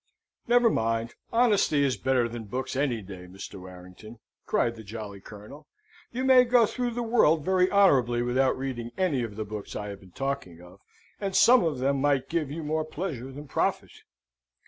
"Never mind, honesty is better than books any day, Mr. Warrington!" cried the jolly Colonel. "You may go through the world very honourably without reading any of the books I have been talking of, and some of them might give you more pleasure than profit."